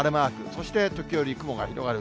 そして時折雲が広がる。